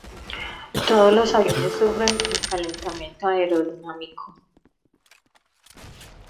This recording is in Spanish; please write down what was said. Todos los aviones sufren el calentamiento aerodinámico.